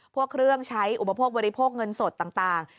พวกเครื่องใช้อุปโภคบริโภคเงินสดต่าง